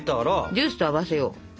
ジュースと合わせよう。